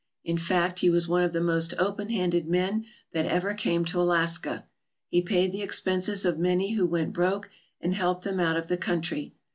In fact, he was one of the most open handed men that ever came to Alaska. He paid the expenses of many who went broke and helped them out of the country.